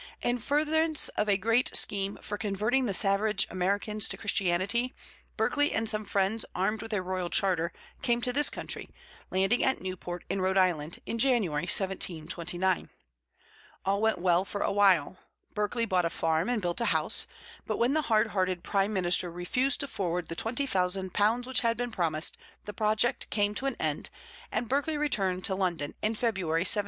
In furtherance of a great scheme for "converting the savage Americans to Christianity", Berkeley and some friends, armed with a royal charter, came to this country, landing at Newport in Rhode Island in January, 1729. All went well for a while: Berkeley bought a farm and built a house; but when the hard hearted prime minister refused to forward the £20,000 which had been promised, the project came to an end, and Berkeley returned to London in February, 1732.